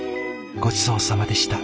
ごちそうさまでした。